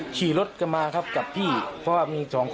ชีรถกันมาครับกับพี่เพราะว่ามี๒คน